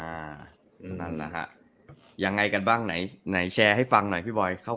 นั่นแหละฮะยังไงกันบ้างไหนไหนแชร์ให้ฟังหน่อยพี่บอยเข้า